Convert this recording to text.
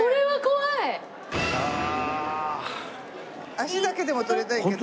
足だけでも撮りたいけど。